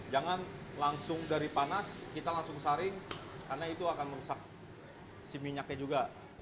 jangan langsung dari panas kita langsung saring karena itu akan merusak si minyaknya juga